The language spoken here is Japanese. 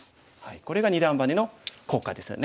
これが二段バネの効果ですよね。